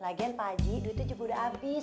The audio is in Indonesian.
lagian pak haji duitnya juga udah abis